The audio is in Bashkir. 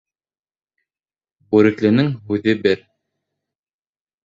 Бүрекленең һүҙе бер.